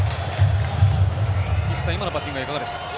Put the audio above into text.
今のバッティングはいかがでしたか？